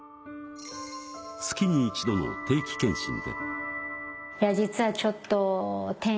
月に一度の定期検診で。